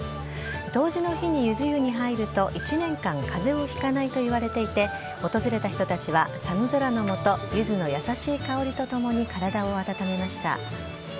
冬至の日にゆず湯に入ると１年間かぜをひかないといわれていて、訪れた人たちは寒空の下、ゆずの優しい香りとともに、体を温めました。